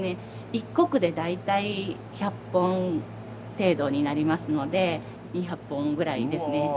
１石で大体１００本程度になりますので２００本ぐらいですね。